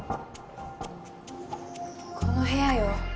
この部屋よ。